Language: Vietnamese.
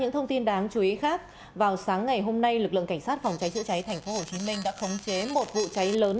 những thông tin đáng chú ý khác vào sáng ngày hôm nay lực lượng cảnh sát phòng cháy chữa cháy tp hcm đã khống chế một vụ cháy lớn